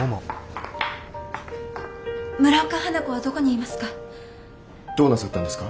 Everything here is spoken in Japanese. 村岡花子はどこにいますか？